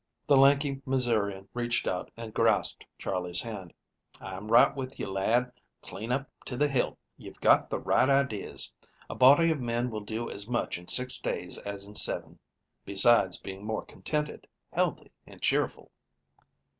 The lanky Missourian reached out and grasped Charley's hand. "I'm right with you, lad, clean up to the hilt. You've got the right ideas. A body of men will do as much in six days as in seven, besides being more contented, healthy and cheerful."